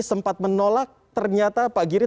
sempat menolak ternyata pak giri